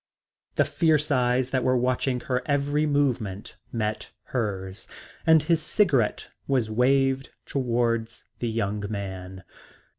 The fierce eyes that were watching her every movement met hers, and his cigarette was waved towards the young man.